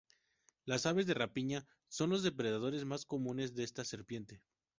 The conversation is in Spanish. Las aves de rapiña son los depredadores más comunes de esta serpiente.